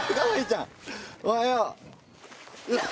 おはよう。